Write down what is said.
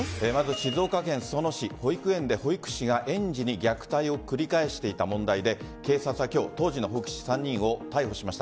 静岡県裾野市保育園で保育士が園児に虐待を繰り返していた問題で警察が今日当時の保育士３人を逮捕しました。